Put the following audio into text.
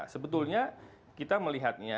sebetulnya kita melihatnya